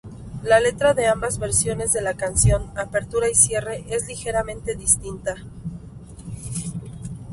La letra de ambas versiones de la canción, apertura y cierre, es ligeramente distinta.